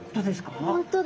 本当だ。